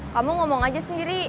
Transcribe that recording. kamu ngomong aja sendiri